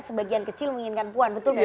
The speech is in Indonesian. sebagian kecil menginginkan puan betul gak sih